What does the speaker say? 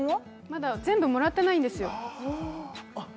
まだ全部もらってないんですよあっ